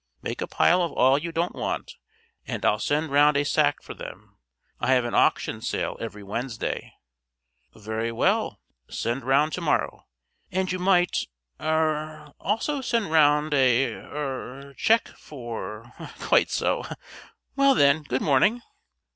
Make a pile of all you don't want and I'll send round a sack for them: I have an auction sale every Wednesday." "Very well. Send round to morrow. And you might er also send round a er cheque for quite so. Well, then good morning."